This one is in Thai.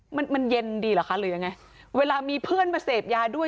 มันมันเย็นดีเหรอคะหรือยังไงเวลามีเพื่อนมาเสพยาด้วย